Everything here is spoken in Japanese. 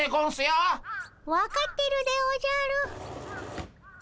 分かってるでおじゃる。